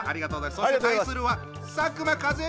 そして対するは佐久間一行！